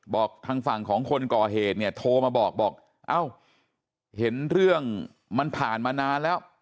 ทางฝั่งของคนก่อเหตุเนี่ยโทรมาบอกบอกเอ้าเห็นเรื่องมันผ่านมานานแล้ว